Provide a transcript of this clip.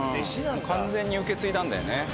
完全に受け継いだんだよね。